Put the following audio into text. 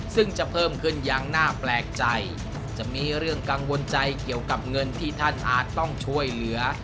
ซึ่งจะเพิ่มขึ้นอย่างน่าแปลกใจจะมีเรื่องกังวลใจเกี่ยวกับเงินที่ท่านอาจต้องช่วยเหลือ